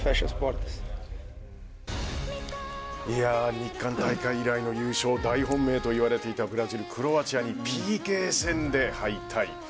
日韓大会以来の優勝大本命といわれていたブラジルクロアチアにＰＫ戦で敗退。